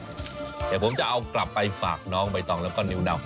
เดี๋ยวผมจะเอากลับไปฝากน้องใบตองแล้วก็นิวดำ